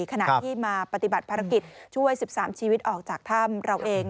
ขณะที่มาปฏิบัติภารกิจช่วย๑๓ชีวิตออกจากถ้ำเราเอง